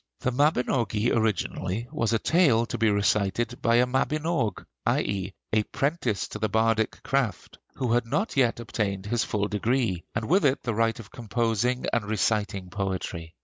The 'Mabinogi' originally was a tale to be recited by a mabinog, i. e., a 'prentice to the bardic craft who had not yet obtained his full degree, and with it the right of composing and reciting poetry.